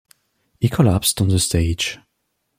He collapsed on the stage.